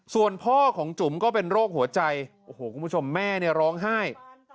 ส่วนพ่อของจุ๋มก็เป็นโรคหัวใจโอ้โหคุณผู้ชมแม่เนี่ยร้องไห้